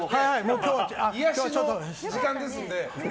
癒やしの時間ですので。